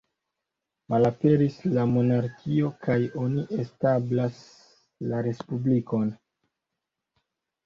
Malaperis la monarkio kaj oni establas la Respublikon.